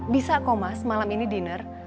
bisa kok mas malam ini dinner